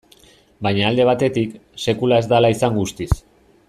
Baina alde batetik, sekula ez da hala izan guztiz.